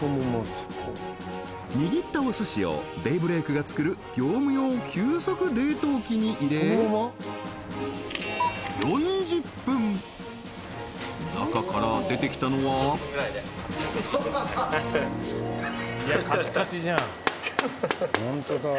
握ったお寿司をデイブレイクが作る業務用急速冷凍機に入れ４０分中から出てきたのはカチカチですね